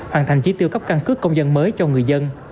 hoàn thành chỉ tiêu cấp căn cước công dân mới cho người dân